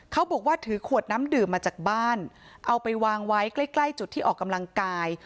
เขาบอกว่าถือขวดน้ำดื่มมาจากบ้านเอาไปวางไว้ใกล้ใกล้จุดที่ออกกำลังกาย